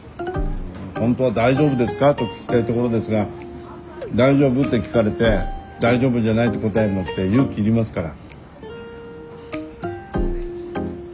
本当は「大丈夫ですか？」と聞きたいところですが「大丈夫？」って聞かれて「大丈夫じゃない」って答えるのって勇気いりますから。